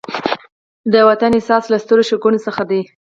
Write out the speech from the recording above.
د وطن احساس له سترو ښېګڼو څخه دی.